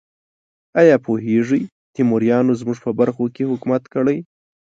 ایا پوهیږئ تیموریانو زموږ په برخو کې حکومت کړی؟